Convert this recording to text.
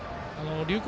龍谷